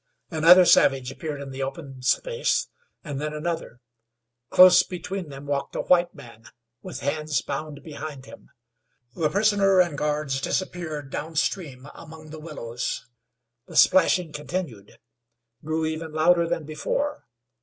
Another savage appeared in the open space, and then another. Close between them walked a white man, with hands bound behind him. The prisoner and guards disappeared down stream among the willows. The splashing continued grew even louder than before.